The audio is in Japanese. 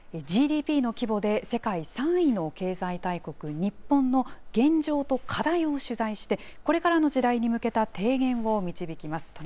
ＧＤＰの規模で世界３位の経済大国、日本の現状と課題を取材して、これからの時代に向けた提言を導きます。